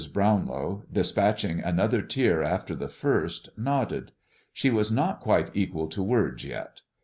Brownlow, despatching another tear after the first, nodded. She was not quite equal to words yet.